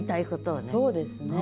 そうですね。